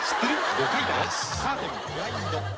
５回だよ。